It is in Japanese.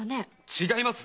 ⁉違います！